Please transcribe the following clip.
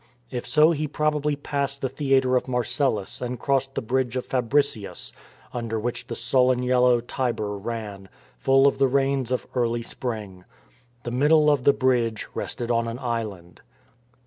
If so he probably passed the theatre of Marcellus and crossed the bridge of Fabricius ^ under which the sullen yellow Tiber ran, full of the rains of early spring. The middle of the bridge rested on an island.